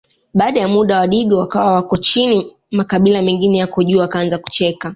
Baada ya muda wadigo wakawa wako chini makabila mengine yako juu Wakaanza kucheka